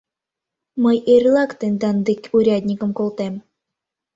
Мый эрлак тендан дек урядникым колтем.